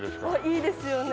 いいですよね。